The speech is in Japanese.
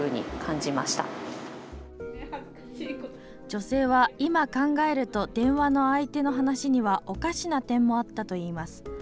女性は今、考えると電話の相手の話にはおかしな点もあったといいます。